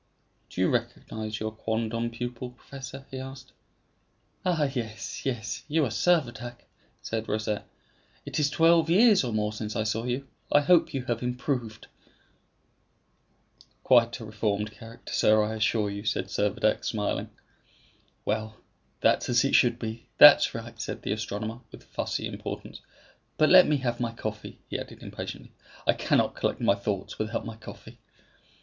"Do you recognize your quondam pupil, professor?" he asked. "Ah, yes, yes; you are Servadac," replied Rosette. "It is twelve years or more since I saw you; I hope you have improved." "Quite a reformed character, sir, I assure you," said Servadac, smiling. "Well, that's as it should be; that's right," said the astronomer with fussy importance. "But let me have my coffee," he added impatiently; "I cannot collect my thoughts without my coffee."